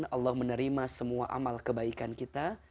dengan allah menerima semua amal kebaikan kita